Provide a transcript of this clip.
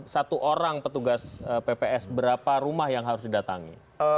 satu orang petugas pps berapa rumah yang harus didatangi